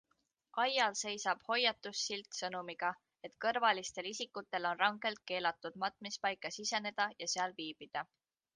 Aial seisab hoiatussilt sõnumiga, et kõrvalistel isikutel on rangelt keelatud matmispaika siseneda ja seal viibida.